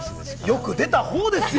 よく出た方ですよ。